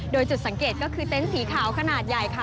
โดยจุดสังเกตก็คือเต็นต์สีขาวขนาดใหญ่ค่ะ